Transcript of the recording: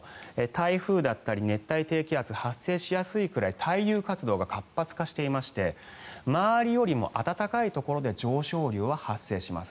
台風だったり熱帯低気圧発生しやすいくらい対流活動が活発化していまして周りよりも暖かいところで上昇流は発生します。